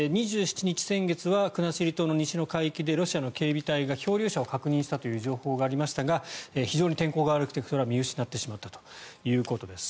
先月２７日国後島の西の海域でロシアの警備隊が漂流者を確認したという情報がありましたが非常に天候が悪くてそれは見失ってしまったということです。